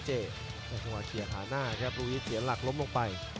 จังหวะเกี้ยหาหน้าครับลุอิสรีอาลักษณ์ล้อมลงไป